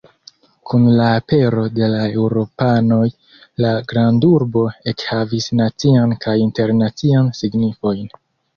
Kun la apero de la eŭropanoj la grandurbo ekhavis nacian kaj internacian signifojn.